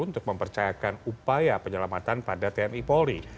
untuk mempercayakan upaya penyelamatan pada tni polri